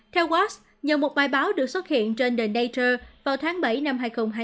theo watts nhờ một bài báo được xuất hiện trên the nature vào tháng bảy năm hai nghìn hai mươi